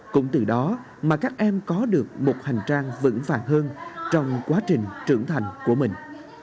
cũng từ đó mà các em có được một hành trang vững vàng hơn trong quá trình trưởng thành của mình